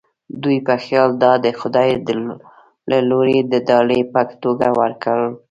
دوی په خیال دا د خدای له لوري د ډالۍ په توګه ورکړل شوې.